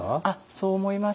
そう思います。